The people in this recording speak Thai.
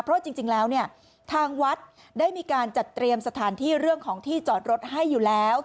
เพราะจริงแล้วเนี่ยทางวัดได้มีการจัดเตรียมสถานที่เรื่องของที่จอดรถให้อยู่แล้ว